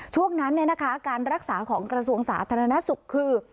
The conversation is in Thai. ช่วงนั้นการรักษาของกระทรวงสาธารณสุขคือ